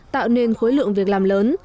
tạo nên khối lượng việc làm lớn